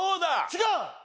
違う！？